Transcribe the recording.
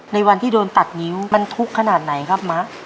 ในวันที่โดนตัดนิ้วมันทุกข์ขนาดไหนครับมะ